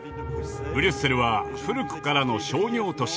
ブリュッセルは古くからの商業都市。